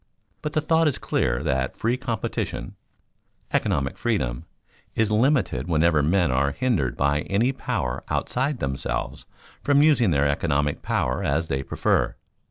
But the thought is clear that free competition economic freedom is limited whenever men are hindered by any power outside themselves from using their economic power as they prefer.